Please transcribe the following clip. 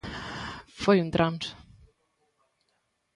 Foi un transo.